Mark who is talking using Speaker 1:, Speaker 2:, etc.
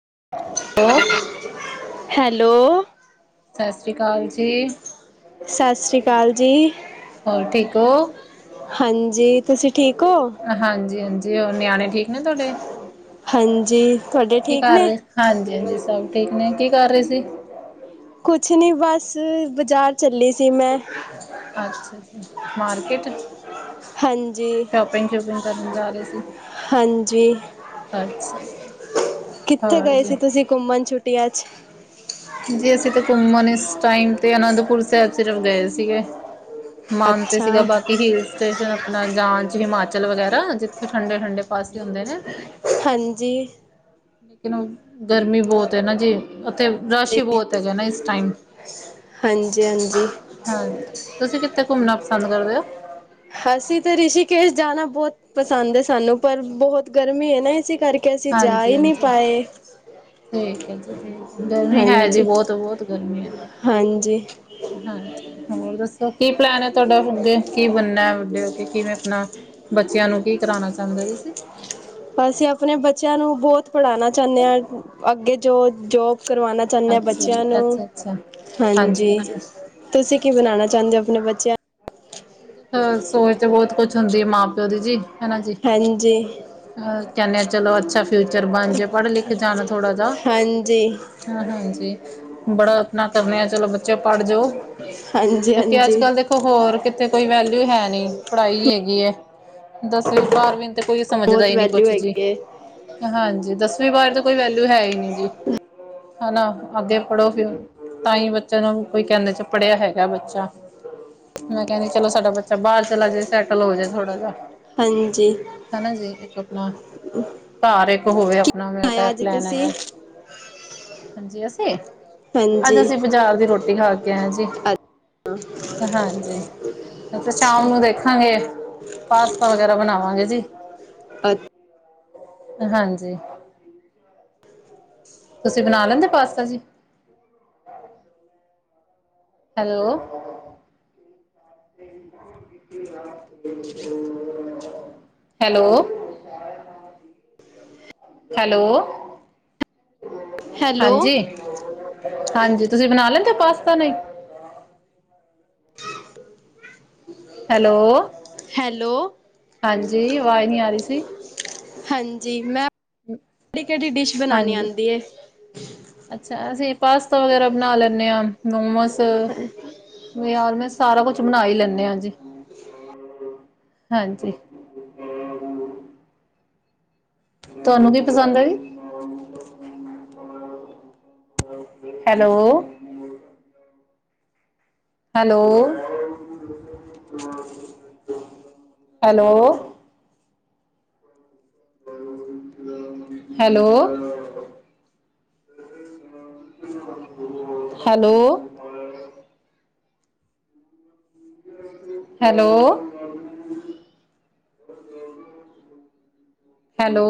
Speaker 1: [unintelligible]
Speaker 2: Hello
Speaker 1: Sat Sri ਅਕਾਲ ਜੀ।
Speaker 2: ਸਤਿ ਸ਼੍ਰੀ ਅਕਾਲ ਜੀ
Speaker 1: ਹੋਰ, ਠੀਕ ਹੋ।
Speaker 2: ਹਾਂਜੀਂ, ਤੁਸੀਂ ਠੀਕ ਹੋ।
Speaker 1: ਜੀ, ਹੋਰ ਨਿਆਣੇ ਠੀਕ ਨੇ ਤੁਹਾਡੇ,
Speaker 2: ਹਾਂਜੀ ਤੁਹਾਡੇ
Speaker 1: ਕੀ
Speaker 2: ਠੀਕ
Speaker 1: ਕਰ
Speaker 2: ਨੇ
Speaker 1: ਰਹੇ। ਹਾਂਜੀ- ਹਾਂਜੀ ਸਭ ਠੀਕ। ਠੀਕ ਨੇ, ਕੀ ਕਰ ਰਹੇ ਸੀ?
Speaker 2: ਕੁੱਛ ਨਹੀਂ, ਬਸ ਬਜ਼ਾਰ,
Speaker 1: ਅੱਛਾ ਜੀ, ਮਾਰਕਿਟ?
Speaker 2: ਹਾਂਜੀ
Speaker 1: ਸ਼ੋਪਿੰਗ ਸ਼ੂਪਿੰਗ ਕਰਨ ਜਾ ਰਹੇ ਸੀ।
Speaker 2: ਹਾਂਜੀ
Speaker 1: ਅੱਛਾ।
Speaker 2: ਕਿੱਥੇ
Speaker 1: ਹੋਰ
Speaker 2: ਗਏ
Speaker 1: ਜੀ
Speaker 2: ਸੀ। ਤੁਸੀਂ ਘੁੰਮਣ ਛੁੱਟੀਆਂ ਚ?
Speaker 1: ਜੀ, ਅਸੀਂ ਤੇ ਘੁੰਮਣ ਇਸ ਟਾਈਮ ਤੇ ਅਨੰਦਪੁਰ ਸਾਹਿਬ ਸਿਰਫ ਗਏ ਸੀਗੇ। ਮਨ ਤੇ
Speaker 2: ਅੱਛਾ
Speaker 1: ਸੀਗਾ। ਬਾਕੀ ਹਿਲ ਸਟੇਸ਼ਨ ਆਪਣਾ ਜਾਂਣ ਚ। ਹਿਮਾਚਲ ਵਗੈਰਾ, ਜਿੱਥੇ ਠੰਡੇ-ਠੰਡੇ ਪਾਸੇ ਹੁੰਦੇ ਨੇ।
Speaker 2: ਹਾਂਜੀ।
Speaker 1: ਲੇਕਿਨ ਗਰਮੀ ਬਹੁਤ ਹੈ ਨਾ ਜੀ ।ਉੱਥੇ ਰਸ਼ ਹੀ ਬਹੁਤ ਹੈਗਾ ਨਾ ਇਸ ਟਾਈਮ।
Speaker 2: ਹਾਂਜੀ ਹਾਂਜੀ
Speaker 1: ਹਾਂਜੀ, ਤੁਸੀਂ ਕਿੱਥੇ ਘੁੰਮਣਾ ਪਸੰਦ ਕਰਦੇ ਹੋ?
Speaker 2: ਅਸੀਂ ਤੇ, ਰਿਸ਼ੀਕੇਸ਼ ਜਾਣਾ ਬਹੁਤ ਪਸੰਦ ਹੈ। ਸਾਨੂੰ ਪਰ ਬਹੁਤ ਗਰਮੀ ਹੈ ਨਾ। ਇਸੀ ਕਰਕੇ, ਕੇ ਅਸੀ ਜਾ
Speaker 1: ਹਾਂਜੀ
Speaker 2: ਈ ਨੀ
Speaker 1: ਹਾਂਜੀ
Speaker 2: ਪਾਏ।
Speaker 1: ਠੀਕ ਹੈ। ਜੀ ਠੀਕ, ਗਰਮੀ ਹੈ ਜੀ
Speaker 2: ਹਾਂਜੀ
Speaker 1: ਬਹੁਤ ਬਹੁਤ ਗਰਮੀ ਆ।
Speaker 2: ਹਾਂਜੀ
Speaker 1: ਹਾਂਜੀ, ਹੋਰ ਦੱਸੋ ਕੀ ਪਲੈਨ ਹੈ? ਤੁਵਾਡਾ ਅੱਗੇ ਕੀ ਬਣਨਾ? ਵੜੇ ਓ ਕੇ ਕਿਵੇਂ ਆਪਣਾ, ਬੱਚਿਆਂ ਨੂੰ ਕੀ ਕਰਾਨਾ ਚਾਹੁੰਦੇ ਓ ਤੁਸੀਂ?
Speaker 2: ਅਸੀਂ ਆਪਣੇ ਬੱਚਿਆਂ ਨੂੰ ਬਹੁਤ ਪੜ੍ਹਾਣਾ ਚਾਣੇ ਹਾਂ। ਅੱਗੇ ਜੋ ਜੋਬ ਕਰਵਾਣਾ ਚਾਣੇ ਆ
Speaker 1: ਅੱਛਾ ਜੀ
Speaker 2: ਬੱਚਿਆਂ ਨੂੰ
Speaker 1: ਅੱਛਾ ਅੱਛਾ
Speaker 2: ਹਾਂਜੀ।, ਤੁਸੀਂ ਕੀ ਬਨਾਨਾ? ਚਾਂਹਦੇ ਓ ਆਪਣੇ ਬੱਚਿਆਂ ਨੂੰ।
Speaker 1: ਸੋਚ ਤੇ ਬਹੁਤ ਕੁੱਛ ਹੁੰਦੀ ਐ। ਮਾਂ ਪਿਓ ਦੀ ਜੀ।
Speaker 2: ਹਾਂਜੀ।
Speaker 1: ਅ ਕਹਿੰਨੇ ਆ ਚਲੋ ਅੱਛਾ ਫਿਊਚਰ ਬਣ ਜੇ ਪੜ੍ਹ ਲਿਖ ਜਾਣ ਥੋੜ੍ਹਾ ਜਿਆ।
Speaker 2: ਹਾਂਜੀ
Speaker 1: ਹਾਂ ਹਾਂਜੀ ਬੜਾ ਆਪਣਾ ਕਰਨੇ ਆ ਚਲੋ ਬੱਚੇ ਪੜ੍ਹ, ਜੋ,
Speaker 2: ਹਾਂਜੀ
Speaker 1: ਕਿਉਂਕਿ
Speaker 2: ਹਾਂਜੀ
Speaker 1: ਅੱਜ ਕੱਲ੍ਹ ਦੇਖੋ। ਹੋਰ ਕਿ ਕੋਈ ਵੈਲਊ ਹੈ ਨਹੀ, ਪੜ੍ਹਾਈ ਹੈਗੀ ਹੈ। ਦਸਵੀਂ ਬਾਰਵੀਂ। ਤੇ ਕੋਈ ਸਮਝਦਾ
Speaker 2: ਬਹੁਤ
Speaker 1: ਹੀ ਨਹੀਂ
Speaker 2: ਵੈਲਿਊ
Speaker 1: ਕੁੱਛ ਵੀ।
Speaker 2: ਹੈਗੀ ਹੈ
Speaker 1: ਹਾਂਜੀ ਦਸਵੀਂ ਬਾਰਵੀਂ ਤੇ ਕੋਈ ਵੈਲਿਯੂ ਹੈ ਹੀ ਨਹੀਂ ਜੀ। ਹੈਣਾ! ਅੱਗੇ ਪੜੋਗੇ ਤਾਂ ਈ ਬੱਚੇ ਨੂੰ ਕੋਈ ਕਹਿੰਦਾ ਅਛਾ ਪੜ੍ਹਿਆ ਹੈਗਾ ਬੱਚਾ। ਮੈਂ ਕਹਿੰਦੀ ਚਲੋ ਸਾਡਾ ਬੱਚਾ ਬਾਹਰ ਚਲਾ ਜਾੇ ਸੈਟਲ ਹੋ ਜਾੇ ਥੋੜਾ ਜਾਹਾ।
Speaker 2: ਹਾਂਜੀ।
Speaker 1: ਹੈਣਾ ਜੀ ਇੱਕ ਆਪਣਾ। ਘਰ ਇੱਕ ਹੋਵੇ ਆਪਣਾ ਮੇਰਾ ਤਾਂ
Speaker 2: ਆਇਆ
Speaker 1: ਐਹ
Speaker 2: ਅੱਜ
Speaker 1: ਪਲੈਨ
Speaker 2: ਤੁਸੀਂ
Speaker 1: ਹੈਗਾ। ਹਾਂਜੀ ਅਸੀਂ ਅੱਜ
Speaker 2: ਹਾਂਜੀ
Speaker 1: ਅਸੀਂ ਬਾਜ਼ਾਰ ਦੀ ਰੋਟੀ ਖਾ ਕੇ ਆਏ ਆਂ ਜੀ। ਹਾਂਜੀ
Speaker 2: [inaudible]
Speaker 1: ਸ਼ਾਮ ਨੂੰ ਦੇਖਾਂਗੇ ਪਾਸਤਾ ਵਗੈਰਾ ਬਣਾਵਾਂਗੇ ਜੀ।
Speaker 2: ਅ
Speaker 1: ਹਾਂਜੀ। ਤੁਸੀਂ ਬਣਾ ਲੈਂਦੇ ਓ ਪਾਸਤਾ ਜੀ? ਹੈਲੋ। ਹੈਲੋ। ਹੈਲੋ।
Speaker 2: ਹੈਲੋ
Speaker 1: ਹਾਂਜੀ, ਹਾਂਜੀ ਤੁਸੀਂ ਬਨਾ ਲੈ ਪਾਸਤਾ ਨਈ
Speaker 2: [unintelligible]
Speaker 1: ਹੈਲੋ,
Speaker 2: ਹੈਲੋ
Speaker 1: ਹਾਂਜੀ ਅਵਾਜ਼ ਨੀ ਆ ਰੀ ਸੀ।
Speaker 2: ਹਾਂਜੀ, ਮੈਂ ਕਿਹੜੀ ਡਿਸ਼ ਬਨਾਨੀ
Speaker 1: ਹਾਂਜੀ
Speaker 2: ਆਂਦੀ ਐਂ?
Speaker 1: ਅੱਛਾ ਅਸੀਂ ਪਾਸਤਾ ਵਗੈਰਾ ਬਨਾ ਲੈਂਨੇ ਆ, ਮੋਮੋਜ਼
Speaker 2: [unintelligible]
Speaker 1: ਯਾਰ ਮੈਂ ਸਾਰਾ ਕੁਛ ਬਨਾ ਈ ਲੈਂਨੇ ਆ ਜੀ। ਹਾਂਜੀ। ਤੁਆਨੂੰ ਕੀ ਪਸੰਦ ਏ ਈ? Hello hello hello hello hello hello hello